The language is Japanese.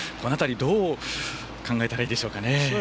どう考えたらいいでしょうか。